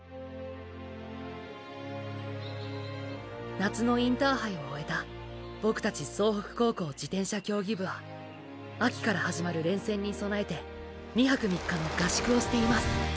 夏のインターハイを終えたボクたち総北高校自転車競技部は秋から始まる連戦に備えて２泊３日の合宿をしています